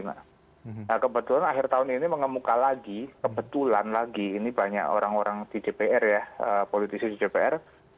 nah kebetulan akhir tahun ini mengemuka lagi kebetulan lagi ini banyak orang orang di dpr ya politisi di dpr